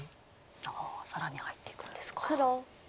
ああ更に入っていくんですか。